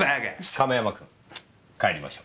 亀山くん帰りましょ。